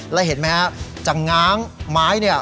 และเห็นมั้ยฮะจะง้างไม้